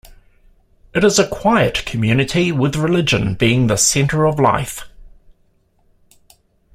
It is a quiet community with religion being the centre of life.